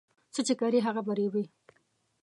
څه چي کرې، هغه به رېبې.